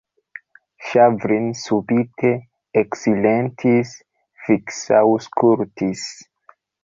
Ŝavrin subite eksilentis, fiksaŭskultis.